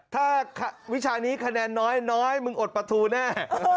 ถ้าวิชานี้คะแนนน้อยมึงอดประทูแน่